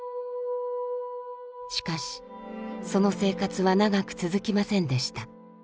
しかしその生活は長く続きませんでした。